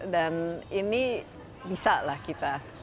dan ini bisa lah kita